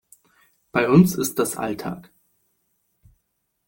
Bei uns ist das Alltag.